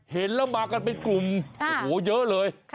เห็นเรามากันเป็นกลุ่มเลยเยอะเลย